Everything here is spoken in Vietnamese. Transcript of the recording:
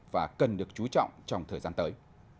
và cần được chú trọng trong thời gian tới